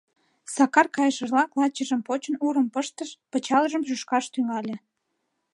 Сакар кайышыжлак, лачыжым почын, урым пыштыш, пычалжым шӱшкаш тӱҥале.